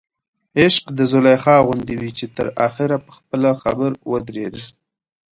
عشق د زلیخا غوندې وي چې تر اخره په خپله خبر ودرېده.